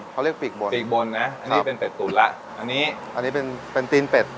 เขาเรียกปีกบนปีกบนนะอันนี้เป็นเป็ดตุ๋นแล้วอันนี้อันนี้เป็นเป็นตีนเป็ด